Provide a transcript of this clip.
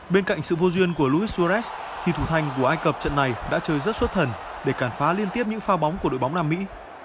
bên cạnh sự vô duyên của luis suárez thì thủ thanh của ai cập trận này đã chơi rất xuất thần để cản phá liên tiếp những pha bóng của đội bóng nam mỹ